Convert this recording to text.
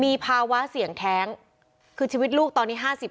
มีภาวะเสี่ยงแท้งคือชีวิตลูกตอนนี้๕๐